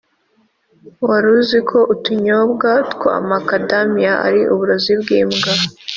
wari uziko utunyobwa twa macadamia ari uburozi bwimbwa